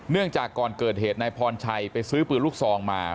จากก่อนเกิดเหตุนายพรชัยไปซื้อปืนลูกซองมา